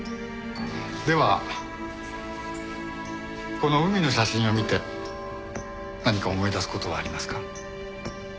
ではこの海の写真を見て何か思い出す事はありますか？